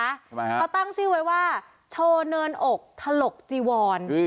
ทำไมฮะเขาตั้งชื่อไว้ว่าโชว์เนินอกถลกจีวอน